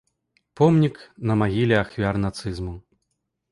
Помнік на магіле ахвяр нацызму.